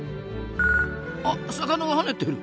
あっ魚が跳ねてる！